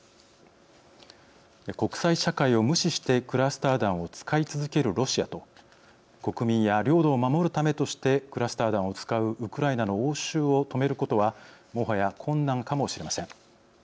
国際社会を無視してクラスター弾を使い続けるロシアと国民や領土を守るためとしてクラスター弾を使うウクライナの応酬を止めることはもはや困難かもしれません。